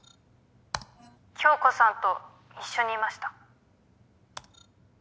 今日子さんと一緒にいました。